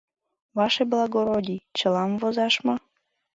— Ваше благородий, чылам возаш мо?